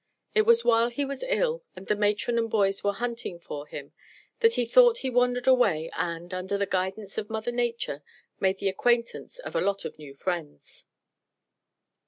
It was while he was ill, and the matron and boys were hunting for him, that he thought he wandered away and, under the guidance of Mother Nature, made the acquaintance of a lot of new friends.